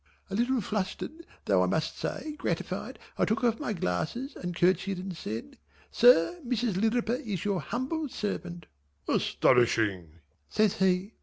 A little flustered though I must say gratified I took off my glasses and courtesied and said "Sir, Mrs. Lirriper is your humble servant." "Astonishing!" says he.